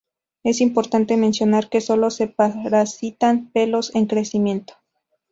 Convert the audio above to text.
Es importante mencionar que solo se parasitan pelos en crecimiento.